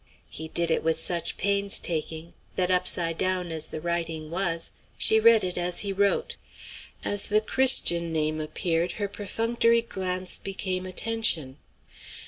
He did it with such pains taking, that, upside down as the writing was, she read it as he wrote. As the Christian name appeared, her perfunctory glance became attention.